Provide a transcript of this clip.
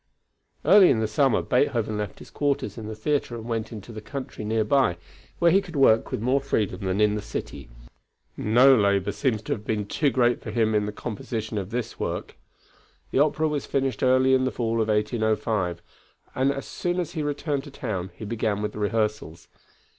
Early in the summer, Beethoven left his quarters in the theatre and went into the country nearby, where he could work with more freedom than in the city. No labor seems to have been too great for him in the composition of this work. The opera was finished early in the fall of 1805, and as soon as he returned to town he began with the rehearsals.